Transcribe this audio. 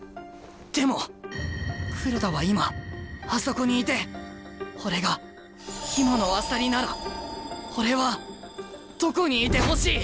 でも黒田は今あそこにいて俺が今の朝利なら俺はどこにいてほしい？